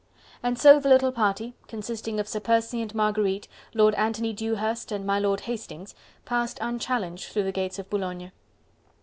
And so the little party, consisting of Sir Percy and Marguerite, Lord Anthony Dewhurst and my Lord Hastings, passed unchallenged through the gates of Boulogne.